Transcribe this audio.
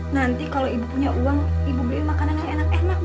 nanti kalau ibu punya uang ibu beli makanan yang enak enak buat agung sama dewi